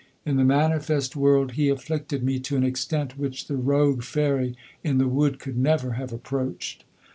In the manifest world he afflicted me to an extent which the rogue fairy in the wood could never have approached.